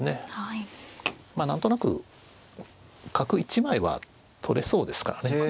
何となく角１枚は取れそうですからね。